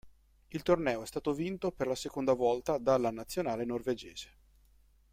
Il torneo è stato vinto per la seconda volta dalla nazionale norvegese.